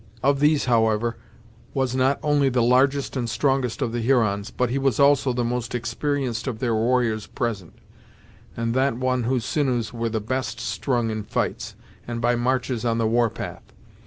One of these, however, was not only the largest and strongest of the Hurons, but he was also the most experienced of their warriors present, and that one whose sinews were the best strung in fights, and by marches on the warpath.